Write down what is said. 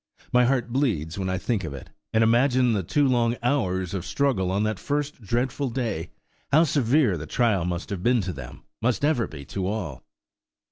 My heart bleeds when I think of it, and imagine the two long hours of struggle on that first dreadful day. How severe the trial must have been to them,–must ever be to all!